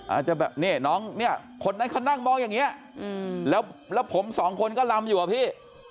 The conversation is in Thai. อาจจะแบบนี้น้องเนี่ยคนนั้นเขานั่งมองอย่างนี้แล้วผมสองคนก็ลำอยู่อะพี่